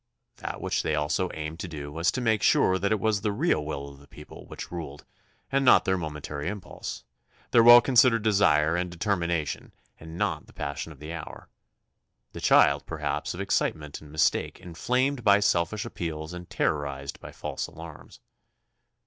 That which they also aimed to do was to make sure that it was the real will of the people which ruled and not their momentary impulse, their well considered desire and determination and not the passion of the hour, the child, perhaps, of excitement and mistake inflamed by selfish appeals and terrorized by false alarms.